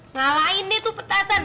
ngalahin deh tuh petasan